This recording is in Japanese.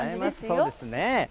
そうですね。